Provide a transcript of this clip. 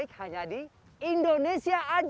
wisata terbaik hanya di indonesia aja